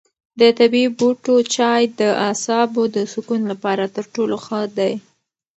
د طبیعي بوټو چای د اعصابو د سکون لپاره تر ټولو ښه دی.